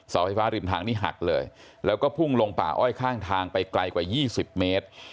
ไฟฟ้าริมทางนี้หักเลยแล้วก็พุ่งลงป่าอ้อยข้างทางไปไกลกว่า๒๐เมตร